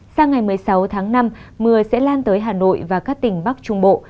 sang ngày một mươi sáu tháng năm mưa sẽ lan tới hà nội và các tỉnh bắc trung bộ